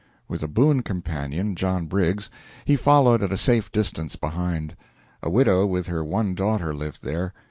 With a boon companion, John Briggs, he followed at a safe distance behind. A widow with her one daughter lived there.